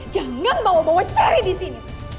jangan bawa bawa cherry disini mas